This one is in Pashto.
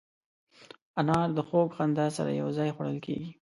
انار د خوږ خندا سره یو ځای خوړل کېږي.